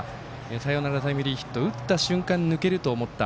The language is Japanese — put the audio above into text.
サヨナラタイムリーヒット打った瞬間抜けると思った。